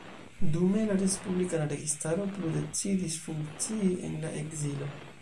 Dume, la respublikana registaro plu decidis funkcii en la ekzilo.